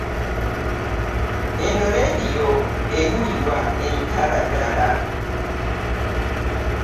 Eno leediyo ewulirwa emitala ddala.